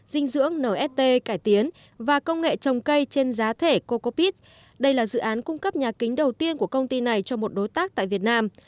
dinh dưỡng nst cải tiến và công nghệ trồng cây trên giá thể cocopite đây là dự án cung cấp nhà kính đầu tiên của công ty này cho một đối tác tại việt nam